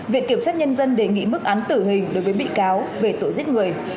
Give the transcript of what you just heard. viện kiểm sát nhân dân đề nghị mức án tử hình đối với bị cáo về tội giết người